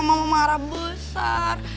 mama marah besar